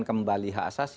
kembali hak asasi